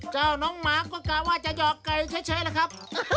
เจ้าน้องหมาก็กะว่าจะหยอกไก่เฉยนะครับ